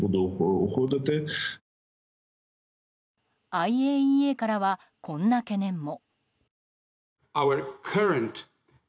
ＩＡＥＡからはこんな懸念も。